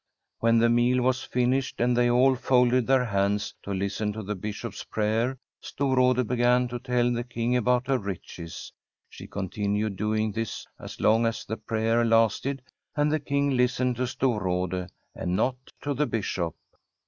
When the meal was finished, and they all folded their hands to listen to the Bishop's prayer, Storrade began to tell the King about tier riches. She continued doing this as long as the prayer lasted, and the King listened to Stor rade, and not to the Bishop.